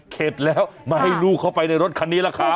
เสร็จแล้วมาให้ลูกเข้าไปในรถคันนี้แหละครับ